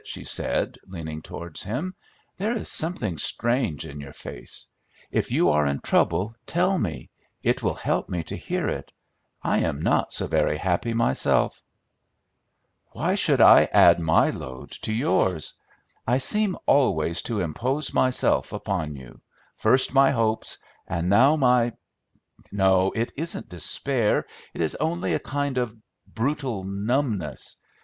she said, leaning towards him. "There is something strange in your face. If you are in trouble, tell me; it will help me to hear it. I am not so very happy myself." "Why should I add my load to yours? I seem always to impose myself upon you, first my hopes, and now my no, it isn't despair; it is only a kind of brutal numbness.